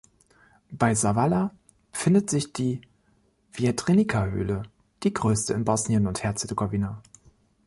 Bei Zavala befindet sich die Vjetrenica-Höhle, die größte in Bosnien und Herzegowina.